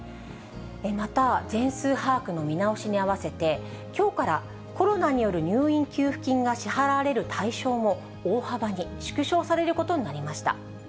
また、全数把握の見直しに合わせて、きょうからコロナによる入院給付金が支払われる対象も大幅に縮小されることになりました。